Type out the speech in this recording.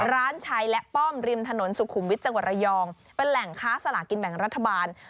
ร้านชัยและป้อมริมถนนสุขุมวิทย์จังหวัดระยองเป็นแหล่งค้าสลากินแบ่งรัฐบาล